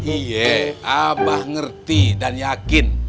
iya abah ngerti dan yakin